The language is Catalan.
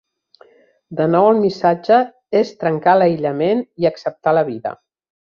De nou el missatge és trencar l'aïllament i acceptar la vida.